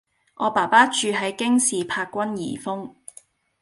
我爸爸住喺京士柏君頤峰